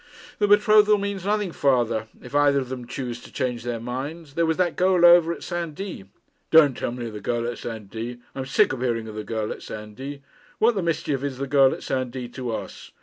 'The betrothal means nothing, father, if either of them choose to change their minds. There was that girl over at Saint Die.' 'Don't tell me of the girl at Saint Die. I'm sick of hearing of the girl at Saint Die. What the mischief is the girl at Saint Die to us?